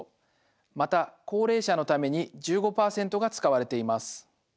また「高齢者のために」１５％が使われています。